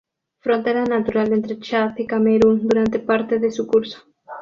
Frontera natural entre Chad y Camerún durante parte de su curso.